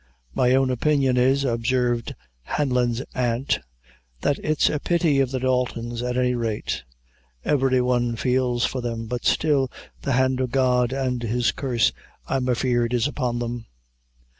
"My own opinion is," observed Hanlon's aunt, "that it's a pity of the Daltons, at any raite. Every one feels for them but still the hand o' God an' his curse, I'm afeard, is upon them."